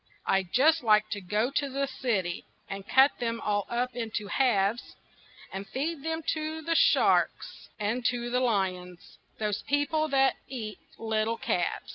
I'd just like to go to the city And cut them all up into halves And feed them to sharks and to lions Those people that eat little calves.